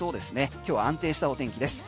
今日は安定したお天気です。